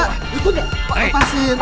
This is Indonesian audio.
pak itu dia lepasin